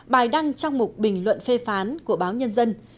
bài đăng trong một bình luận phê phán của báo nhân dân